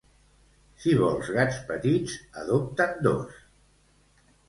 Si vols gats petits, adopta'n dos.